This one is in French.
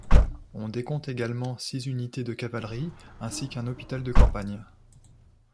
On décompte également six unités de cavalerie ainsi qu'un hôpital de campagne.